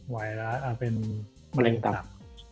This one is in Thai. มาริมัลตับ